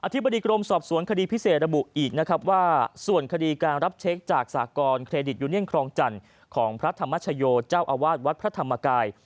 ธิบดีกรมสอบสวนคดีพิเศษระบุอีกนะครับว่าส่วนคดีการรับเช็คจากสากรเครดิตยูเนียนครองจันทร์ของพระธรรมชโยเจ้าอาวาสวัดพระธรรมกาย